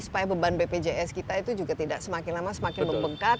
supaya beban bpjs kita itu juga tidak semakin lama semakin membengkak